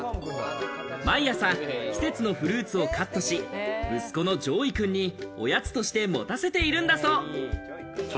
毎朝、季節のフルーツをカットし、息子のジョーイ君におやつとして持たせているんだそう。